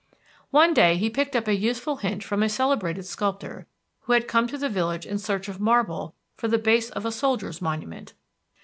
One day he picked up a useful hint from a celebrated sculptor, who had come to the village in search of marble for the base of a soldiers' monument.